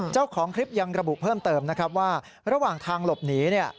เจ้าของคลิปยังระบุเพิ่มเติมนะครับว่าระหว่างทางหลบหนี